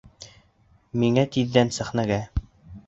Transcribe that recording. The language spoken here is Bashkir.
Миңә тиҙҙән сәхнәгә!